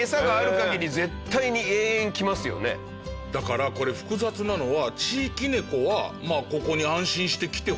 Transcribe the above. だからこれ複雑なのは。